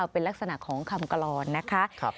เป็นลักษณะของคำกรอนนะคะ